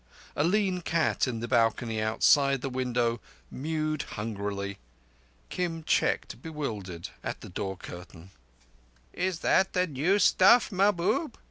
A lean cat in the balcony outside the window mewed hungrily. Kim checked, bewildered, at the door curtain. "Is that the new stuff, Mahbub?"